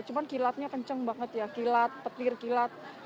cuma kilatnya kenceng banget ya kilat petir kilat